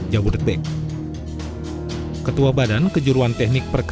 jembatan bentang lrt